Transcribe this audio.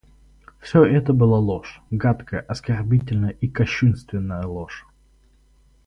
Всё это была ложь, гадкая, оскорбительная и кощунственная ложь.